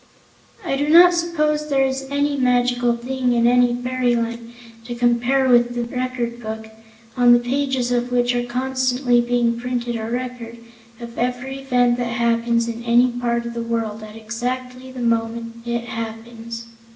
I do not suppose there is any magical thing in any fairyland to compare with the Record Book, on the pages of which are constantly being printed a record of every event that happens in any part of the world, at exactly the moment it happens.